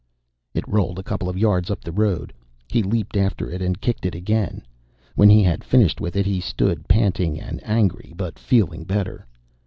It rolled a couple of yards up the road. He leaped after it and kicked it again. When he had finished with it, he stood panting and angry, but feeling better.